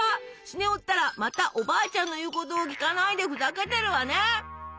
スネ夫ったらまたおばあちゃんの言うことを聞かないでふざけてるわね。